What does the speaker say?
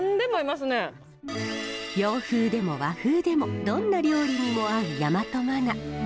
洋風でも和風でもどんな料理にも合う大和まな。